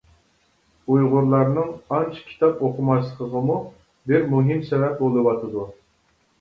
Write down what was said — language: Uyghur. ئۇيغۇرلارنىڭ ئانچە كىتاب ئوقۇماسلىقىغىمۇ بىر مۇھىم سەۋەب بولۇۋاتىدۇ.